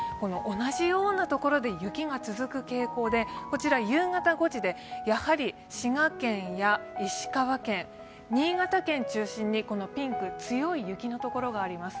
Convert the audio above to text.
同じような所で雪が続く傾向で、こちら夕方５時でやはり滋賀県や石川県、新潟県中心にピンク強い雪の所があります。